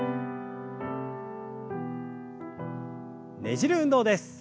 ねじる運動です。